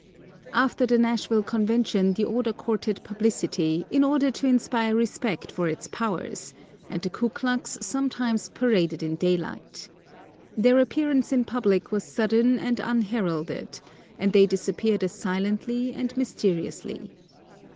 After the Nashville convention the order courted publicity, in order to inspire respect for its powers, and the Ku Klux sometimes paraded in daylight. Their appearance in public was sudden and unheralded; and they disappeared as silently and mysteriously.